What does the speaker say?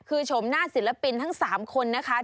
คือชมหน้าศิลปินทั้ง๓คนนะคะ